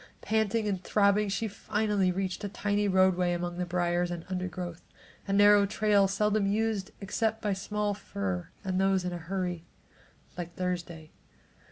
Panting and throbbing she finally reached a tiny roadway among the briars and undergrowth, a narrow trail seldom used except by small fur and those in a hurry, like Thursday.